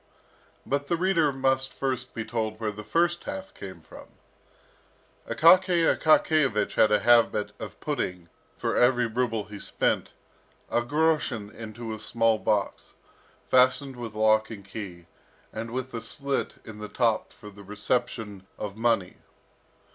But the reader must first be told where the first half came from. Akaky Akakiyevich had a habit of putting, for every ruble he spent, a groschen into a small box, fastened with lock and key, and with a slit in the top for the reception of money.